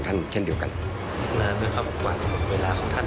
สวัสดีครับทุกคน